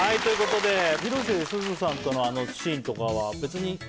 ということで広瀬すずさんとのあのシーンとかは別に。